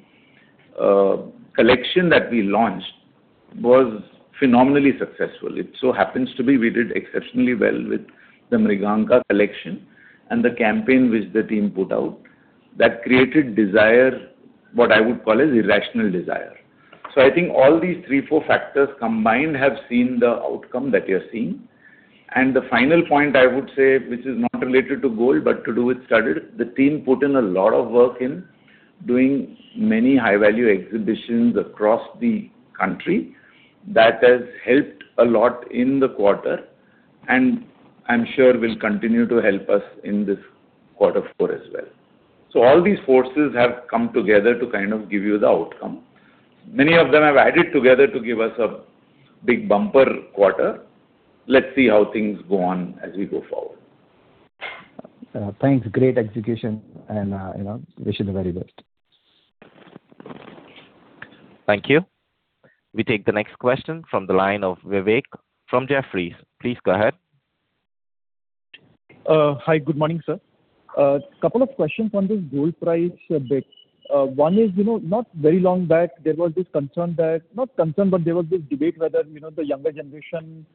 collection that we launched was phenomenally successful. It so happens to be we did exceptionally well with the Mriganka collection and the campaign which the team put out, that created desire, what I would call as irrational desire. So I think all these three, four factors combined have seen the outcome that you're seeing. And the final point I would say, which is not related to gold, but to do with studded, the team put in a lot of work in doing many high-value exhibitions across the country. That has helped a lot in the quarter, and I'm sure will continue to help us in this quarter four as well. So all these forces have come together to kind of give you the outcome. Many of them have added together to give us a big bumper quarter. Let's see how things go on as we go forward. Thanks, great execution, and, you know, wish you the very best. Thank you. We take the next question from the line of Vivek from Jefferies. Please go ahead. Hi, good morning, sir. Couple of questions on this gold price a bit. One is, you know, not very long back, there was this concern that... Not concern, but there was this debate whether, you know, the younger generation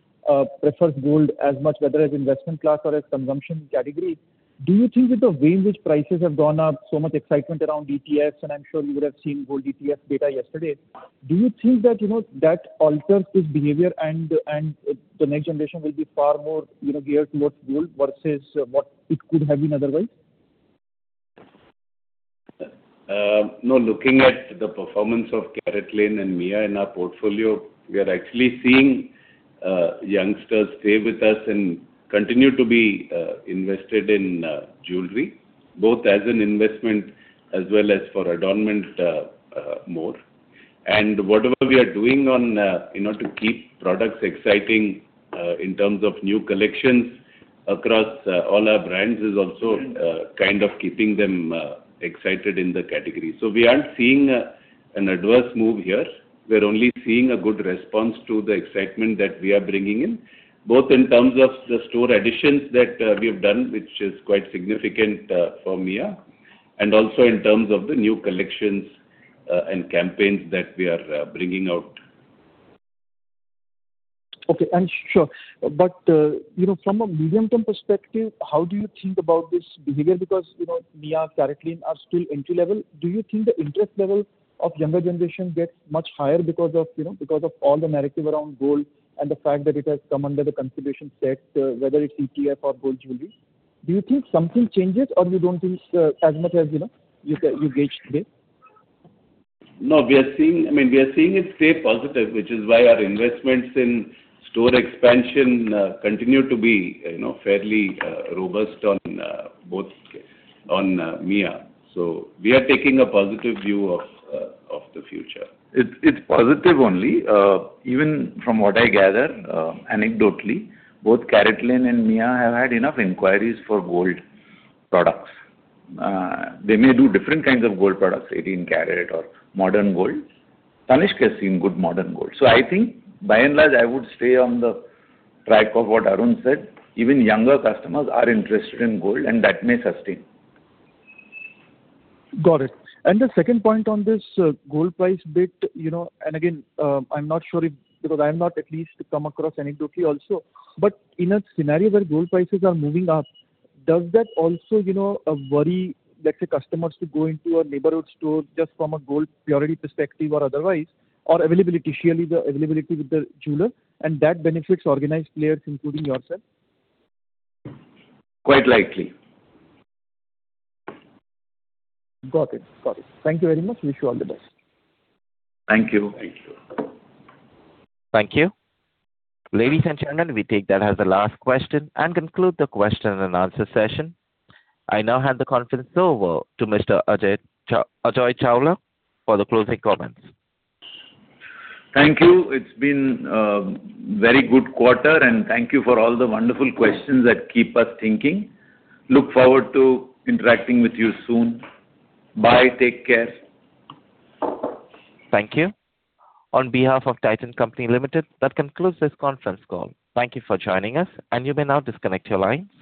prefers gold as much, whether as investment class or as consumption category. Do you think that the way which prices have gone up, so much excitement around ETFs, and I'm sure you would have seen gold ETF data yesterday. Do you think that, you know, that alters this behavior and the next generation will be far more, you know, geared towards gold versus what it could have been otherwise? No, looking at the performance of CaratLane and Mia in our portfolio, we are actually seeing, youngsters stay with us and continue to be, invested in, jewelry, both as an investment as well as for adornment, more. And whatever we are doing on, you know, to keep products exciting, in terms of new collections across, all our brands, is also, kind of keeping them, excited in the category. So we aren't seeing, an adverse move here. We're only seeing a good response to the excitement that we are bringing in, both in terms of the store additions that, we have done, which is quite significant, for Mia, and also in terms of the new collections, and campaigns that we are, bringing out. Okay. And sure. But, you know, from a medium-term perspective, how do you think about this behavior? Because, you know, Mia, CaratLane, are still entry level. Do you think the interest level of younger generation gets much higher because of, you know, because of all the narrative around gold and the fact that it has come under the consideration set, whether it's ETF or gold jewelry? Do you think something changes, or you don't think, as much as, you know, you can, you gauge today? No, we are seeing, I mean, we are seeing it stay positive, which is why our investments in store expansion continue to be, you know, fairly robust on both- Okay. -on, Mia. So we are taking a positive view of the future. It's, it's positive only. Even from what I gather, anecdotally, both CaratLane and Mia have had enough inquiries for gold products. They may do different kinds of gold products, 18 carat or modern gold. Tanishq has seen good modern gold. So I think by and large, I would stay on the track of what Arun said. Even younger customers are interested in gold, and that may sustain. Got it. And the second point on this, gold price bit, you know, and again, I'm not sure if, because I have not at least come across anecdotally also. But in a scenario where gold prices are moving up, does that also, you know, a worry that the customers to go into a neighborhood store just from a gold purity perspective or otherwise, or availability, sheerly the availability with the jeweler, and that benefits organized players, including yourself? Quite likely. Got it. Got it. Thank you very much. Wish you all the best. Thank you. Thank you. Thank you. Ladies and gentlemen, we take that as the last question and conclude the question and answer session. I now hand the conference over to Mr. Ajoy Chawla for the closing comments. Thank you. It's been very good quarter, and thank you for all the wonderful questions that keep us thinking. Look forward to interacting with you soon. Bye. Take care. Thank you. On behalf of Titan Company Limited, that concludes this conference call. Thank you for joining us, and you may now disconnect your lines.